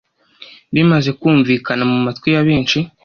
rimaze kumvikana mu matwi ya benshi.